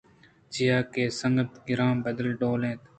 چیاکہ اے سکّ گَران ءُ بد ڈول اِنت